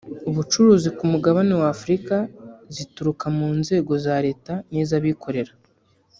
ubucuruzi ku mugabane wa Afurika zituruka mu nzego za Leta n’iz’abikorera